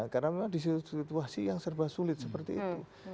karena memang di situasi yang serba sulit seperti itu